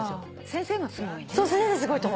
先生がすごいね。